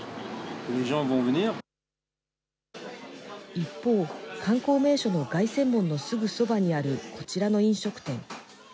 一方、観光名所の凱旋門のすぐそばにあるこちらの飲食店。